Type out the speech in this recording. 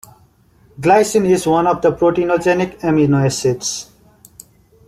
Glycine is one of the proteinogenic amino acids.